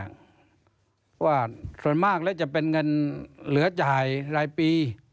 ควรมากจะเป็นเงินเหลือจะหายหลายปี